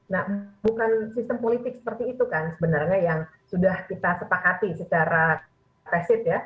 nah bukan sistem politik seperti itu kan sebenarnya yang sudah kita sepakati secara persib ya